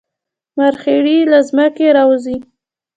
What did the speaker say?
مرخیړي له ځمکې راوځي